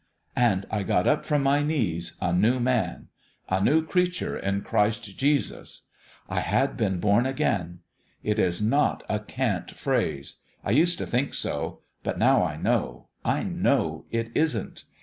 ..." And I got up from my knees a new man 4 A new creature in Christ Jesus.' I had been * born again/ It is not a cant phrase ; I used to think so ; but now I know I know it isn't.